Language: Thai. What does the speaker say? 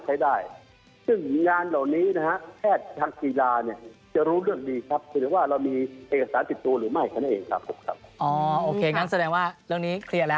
จะรู้ว่าเรามีเอกสารติดตัวหรือไม่ครับ